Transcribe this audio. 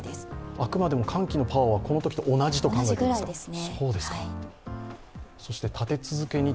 あくまでも寒気のパワーはこのときと同じということですね。